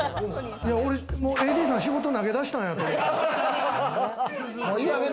もうＡＤさん、仕事投げ出したんやと思った。